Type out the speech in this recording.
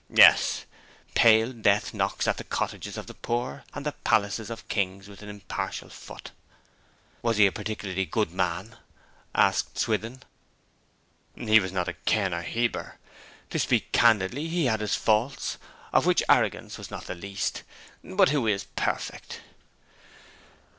Yes; pale death knocks at the cottages of the poor and the palaces of kings with an impartial foot!' 'Was he a particularly good man?' asked Swithin. 'He was not a Ken or a Heber. To speak candidly, he had his faults, of which arrogance was not the least. But who is perfect?'